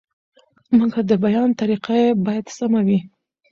مګر د بیان طریقه یې باید سمه وي.